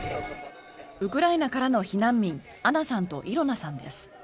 ウクライナからの避難民アナさんとイロナさんです。